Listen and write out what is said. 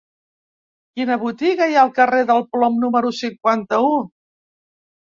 Quina botiga hi ha al carrer del Plom número cinquanta-u?